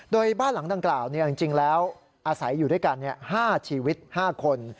โดยบ้านหลังดังกล่าวจริงแล้วอาศัยอยู่ด้วยกัน๕ชีวิต๕คน